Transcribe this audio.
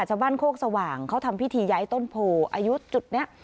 โคกสว่างเขาทำพิธีย้ายต้นโพอายุจุดนี้